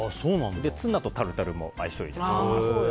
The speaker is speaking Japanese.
ツナとタルタルも相性いいですから。